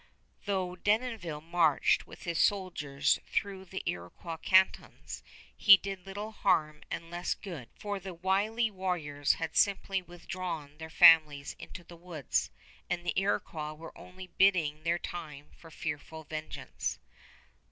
Though Denonville marched with his soldiers through the Iroquois cantons, he did little harm and less good; for the wily warriors had simply withdrawn their families into the woods, and the Iroquois were only biding their time for fearful vengeance.